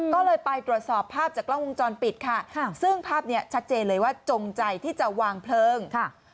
ก็เลยไปตรวจสอบภาพจากกล้องวงจรปิดค่ะซึ่งภาพนี้ชัดเจนเลยว่าจงใจที่จะวางเพลิงค่ะ